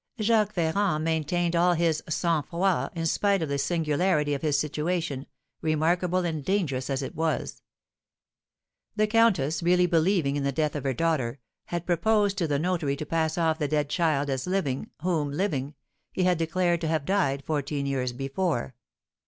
Jacques Ferrand maintained all his sang froid in spite of the singularity of his situation, remarkable and dangerous as it was. The countess, really believing in the death of her daughter, had proposed to the notary to pass off the dead child as living, whom, living, he had declared to have died fourteen years before.